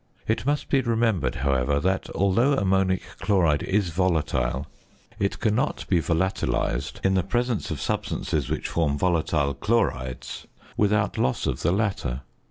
It must be remembered, however, that, although ammonic chloride is volatile, it cannot be volatilised in the presence of substances which form volatile chlorides without loss of the latter.